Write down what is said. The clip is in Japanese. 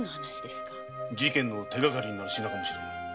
手がかりになる品かもしれぬ。